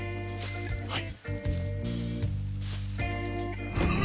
はい。